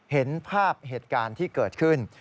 เห็นภาพเหตุการณ์ที่เกิดขึ้น